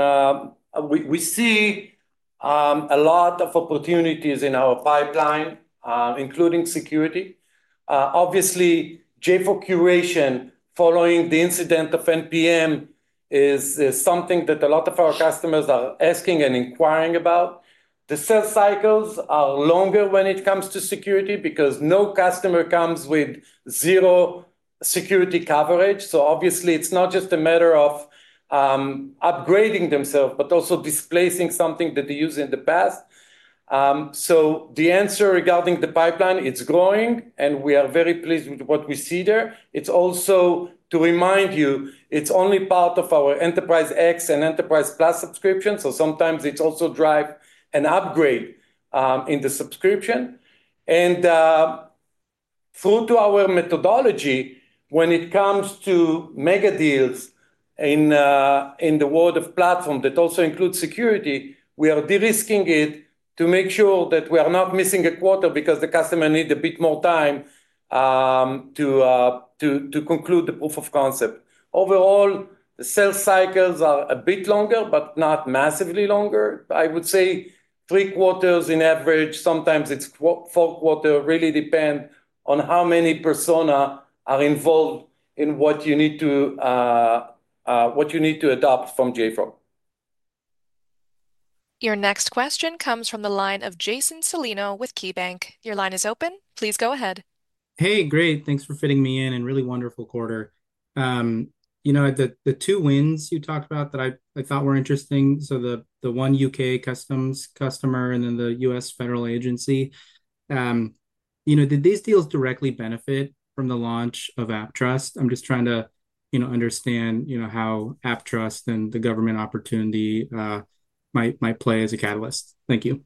We see a lot of opportunities in our pipeline, including security. Obviously, JFrog Curation following the incident of npm is something that a lot of our customers are asking and inquiring about. The sales cycles are longer when it comes to security because no customer comes with zero security coverage. So obviously, it's not just a matter of upgrading themselves, but also displacing something that they used in the past. The answer regarding the pipeline, it's growing, and we are very pleased with what we see there. It's also, to remind you, it's only part of our Enterprise X and Enterprise+ subscription. Sometimes it also drives an upgrade in the subscription. Through to our methodology, when it comes to mega deals in the world of platform that also includes security, we are de-risking it to make sure that we are not missing a quarter because the customer needs a bit more time to conclude the proof of concept. Overall, the sales cycles are a bit longer, but not massively longer. I would say three quarters on average. Sometimes it's four quarters. Really depends on how many personas are involved in what you need to adopt from JFrog. Your next question comes from the line of Jason Celino with KeyBanc. Your line is open. Please go ahead. Hey, great. Thanks for fitting me in. And really wonderful quarter. You know the two wins you talked about that I thought were interesting. The one U.K. customer and then the U.S. federal agency. Did these deals directly benefit from the launch of AppTrust? I'm just trying to understand how AppTrust and the government opportunity might play as a catalyst. Thank you.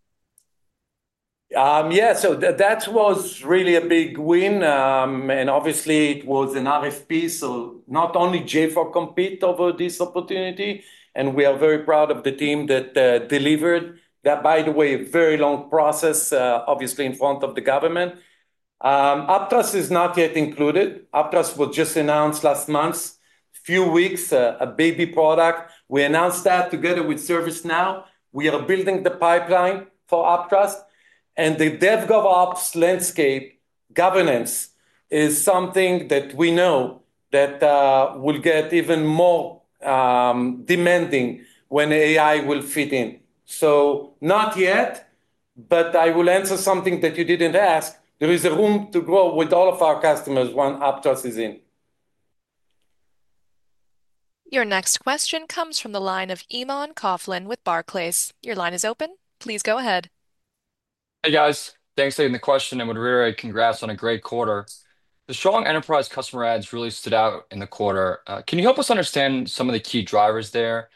Yeah, that was really a big win. Obviously, it was an RFP. Not only JFrog competed over this opportunity, and we are very proud of the team that delivered that, by the way, a very long process, obviously in front of the government. AppTrust is not yet included. AppTrust was just announced last month, a few weeks, a baby product. We announced that together with ServiceNow. We are building the pipeline for AppTrust. The DevGovOps landscape governance is something that we know will get even more demanding when AI will fit in. Not yet, but I will answer something that you did not ask. There is room to grow with all of our customers when AppTrust is in. Your next question comes from the line of Eamon Coughlin with Barclays. Your line is open. Please go ahead. Hey, guys. Thanks for the question. Really, congrats on a great quarter. The strong enterprise customer adds really stood out in the quarter. Can you help us understand some of the key drivers there?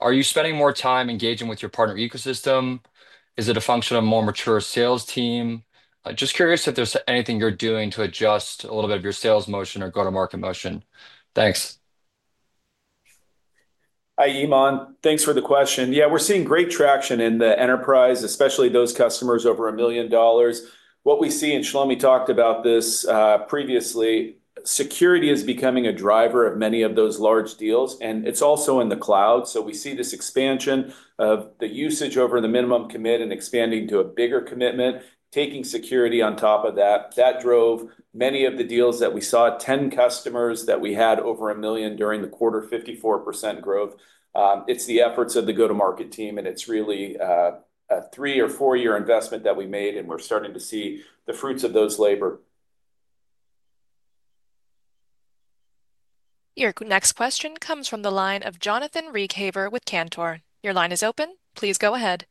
Are you spending more time engaging with your partner ecosystem? Is it a function of a more mature sales team? Just curious if there is anything you are doing to adjust a little bit of your sales motion or go-to-market motion. Thanks. Hi, Eamon. Thanks for the question. Yeah, we are seeing great traction in the enterprise, especially those customers over $1 million. What we see, and Shlomi talked about this previously, security is becoming a driver of many of those large deals, and it's also in the cloud. We see this expansion of the usage over the minimum commit and expanding to a bigger commitment, taking security on top of that. That drove many of the deals that we saw, 10 customers that we had over a million during the quarter, 54% growth. It's the efforts of the go-to-market team, and it's really a three or four-year investment that we made, and we're starting to see the fruits of those labor. Your next question comes from the line of Jonathan Ruykhaver with Cantor. Your line is open. Please go ahead.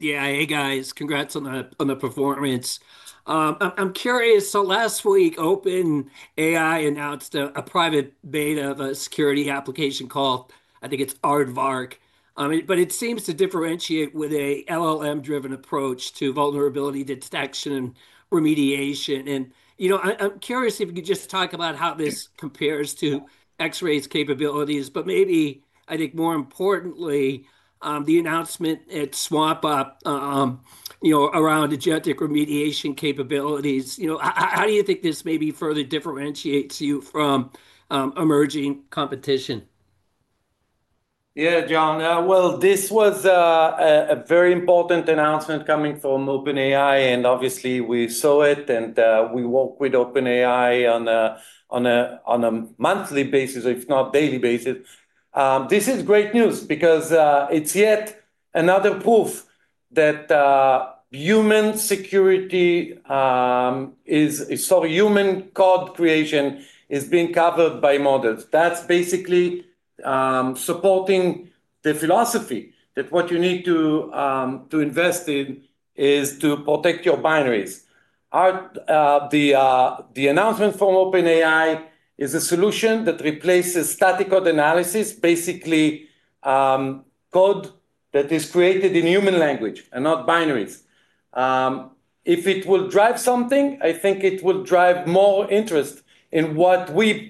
Yeah, hey, guys. Congrats on the performance. I'm curious. Last week, OpenAI announced a private beta of a security application called, I think it's Aardvark. It seems to differentiate with an LLM-driven approach to vulnerability detection and remediation. I'm curious if you could just talk about how this compares to Xray's capabilities, but maybe, I think more importantly, the announcement at SwampUP around agentic remediation capabilities. How do you think this maybe further differentiates you from emerging competition? Yeah, Jon. This was a very important announcement coming from OpenAI, and obviously, we saw it, and we work with OpenAI on a monthly basis, if not daily basis. This is great news because it's yet another proof that human security is—sorry, human code creation is being covered by models. That's basically supporting the philosophy that what you need to invest in is to protect your binaries. The announcement from OpenAI is a solution that replaces static code analysis, basically code that is created in human language and not binaries. If it will drive something, I think it will drive more interest in what we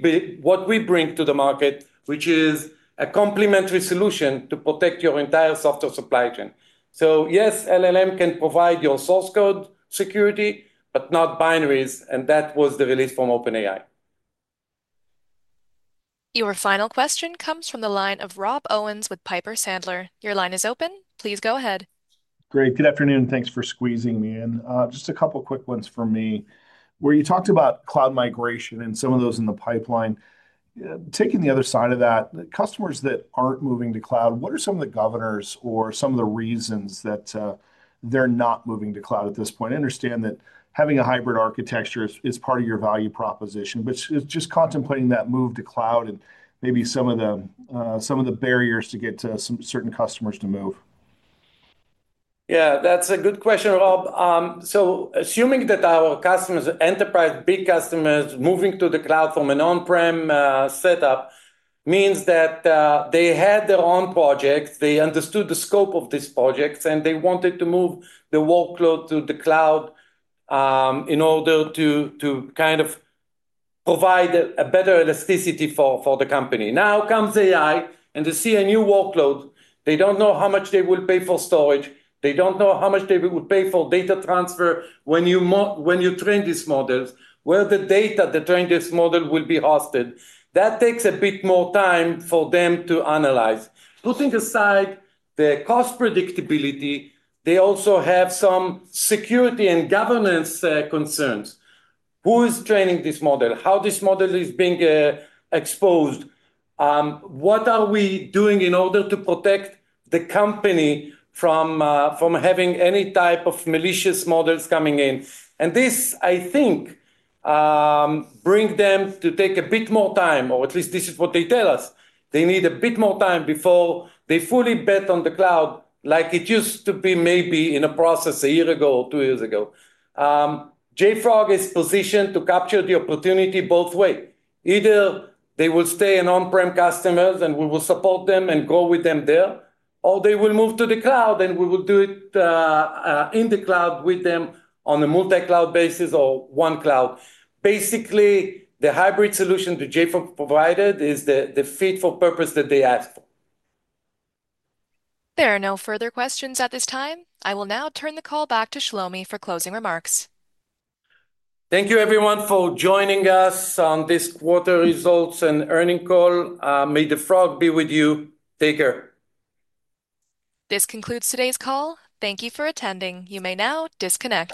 bring to the market, which is a complementary solution to protect your entire software supply chain. Yes, LLM can provide your source code security, but not binaries. That was the release from OpenAI. Your final question comes from the line of Rob Owens with Piper Sandler. Your line is open. Please go ahead. Great. Good afternoon. Thanks for squeezing me in. Just a couple of quick ones for me. Where you talked about cloud migration and some of those in the pipeline. Taking the other side of that, customers that aren't moving to cloud, what are some of the governors or some of the reasons that they're not moving to cloud at this point? I understand that having a hybrid architecture is part of your value proposition, but it's just contemplating that move to cloud and maybe some of the barriers to get to certain customers to move. Yeah, that's a good question, Rob. Assuming that our customers, enterprise, big customers moving to the cloud from an on-prem setup means that they had their own projects, they understood the scope of these projects, and they wanted to move the workload to the cloud. In order to kind of provide a better elasticity for the company. Now comes AI, and they see a new workload. They do not know how much they will pay for storage. They do not know how much they would pay for data transfer when you train these models, where the data that train this model will be hosted. That takes a bit more time for them to analyze. Putting aside the cost predictability, they also have some security and governance concerns. Who is training this model? How is this model being exposed? What are we doing in order to protect the company from having any type of malicious models coming in? This, I think, brings them to take a bit more time, or at least this is what they tell us. They need a bit more time before they fully bet on the cloud like it used to be maybe in a process a year ago or two years ago. JFrog is positioned to capture the opportunity both ways. Either they will stay as on-prem customers and we will support them and go with them there, or they will move to the cloud and we will do it in the cloud with them on a multi-cloud basis or one cloud. Basically, the hybrid solution that JFrog provided is the fit for purpose that they asked for. There are no further questions at this time. I will now turn the call back to Shlomi for closing remarks. Thank you, everyone, for joining us on this quarter results and earning call. May the frog be with you. Take care. This concludes today's call. Thank you for attending. You may now disconnect.